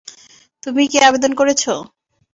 তুমিই কী আবেদন করেছ?